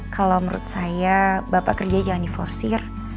kalau menurut saya bapak kerja jangan diforsir